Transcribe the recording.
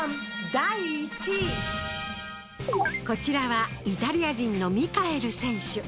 こちらはイタリア人のミカエル選手。